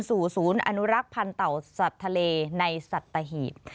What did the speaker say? สู่ศูนย์อนุรักษ์พันธ์เต่าสัตว์ทะเลในสัตหีบ